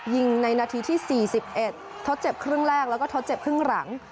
ยิงในนาทีที่๔๑ทดเจ็บครึ่งแรกแล้วก็ทดเจ็บครึ่งหลัง